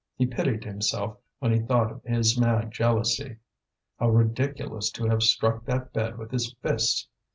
He pitied himself when he thought of his mad jealousy. How ridiculous to have struck that bed with his fists!